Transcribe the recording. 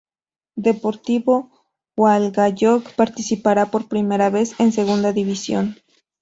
Deportivo Hualgayoc participará por primera vez en Segunda División.